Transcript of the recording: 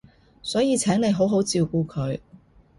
所以請你好好照顧佢